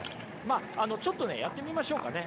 ちょっとねやってみましょうかね。